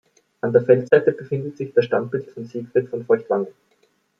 An der Feldseite befindet sich das Standbild von Siegfried von Feuchtwangen.